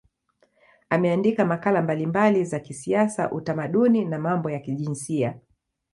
Ameandika makala mbalimbali za kisiasa, utamaduni na mambo ya kijinsia.